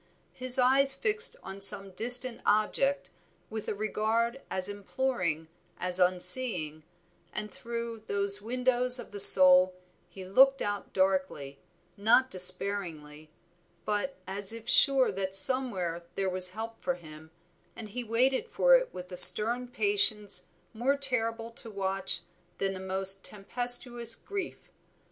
His eyes fixed on some distant object with a regard as imploring as unseeing, and through those windows of the soul he looked out darkly, not despairingly; but as if sure that somewhere there was help for him, and he waited for it with a stern patience more terrible to watch than the most tempestuous grief.